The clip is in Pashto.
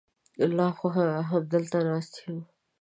لا خو همدلته ناست یم.